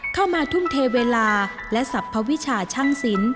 เข้ามาทุ่มเทเวลาและสรรพวิชาช่างศิลป